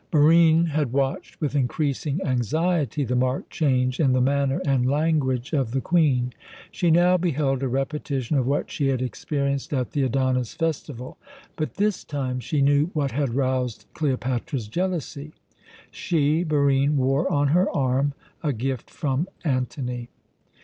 Barine had watched with increasing anxiety the marked change in the manner and language of the Queen. She now beheld a repetition of what she had experienced at the Adonis festival, but this time she knew what had roused Cleopatra's jealousy. She, Barine, wore on her arm a gift from Antony.